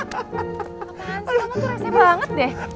apaan sih kamu tuh resah banget deh